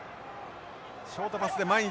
ショートパスで前に出る。